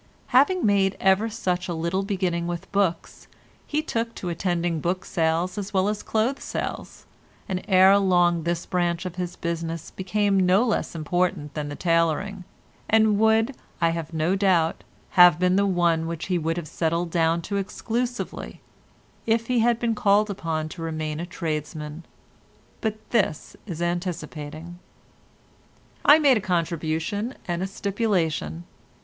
Having made ever such a little beginning with books, he took to attending book sales as well as clothes sales, and ere long this branch of his business became no less important than the tailoring, and would, I have no doubt, have been the one which he would have settled down to exclusively, if he had been called upon to remain a tradesman; but this is anticipating. I made a contribution and a stipulation.